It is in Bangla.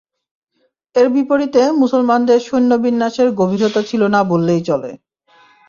এর বিপরীতে মুসলমানদের সৈন্য বিন্যাসের গভীরতা ছিল না বললেই চলে।